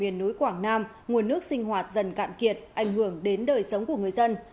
miền núi quảng nam nguồn nước sinh hoạt dần cạn kiệt ảnh hưởng đến đời sống của người dân